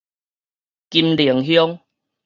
金寧鄉